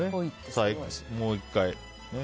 もう１回ね。